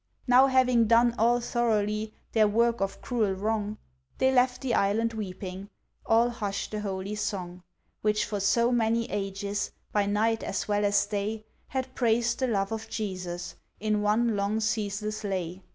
Now having done all thoroughly, Their work of cruel wrong, They left the Island weeping, All hushed the Holy Song, Which for so many ages, By night as well as day, Had praised the Love of Jesus, In one long ceaseless lay.